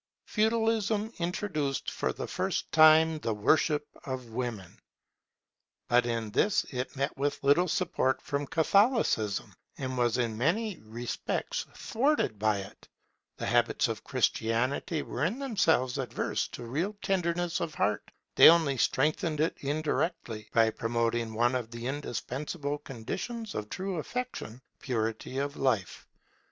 Feudalism introduced for the first time the worship of Woman. But in this it met with little support from Catholicism, and was in many respects thwarted by it. The habits of Christianity were in themselves adverse to real tenderness of heart; they only strengthened it indirectly, by promoting one of the indispensable conditions of true affection, purity of life.